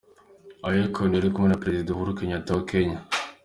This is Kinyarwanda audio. Aha Akon yari kumwe na Perezida Uhuru Kenyatta wa Kenya.